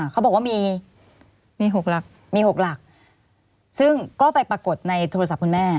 เขาบอกว่ามี๖หลักซึ่งก็ไปปรากฏในโทรศัพท์คุณแม่